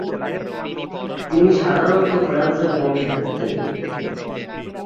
তিনি সাধারণত ফ্রান্সের পক্ষে থাকতেন।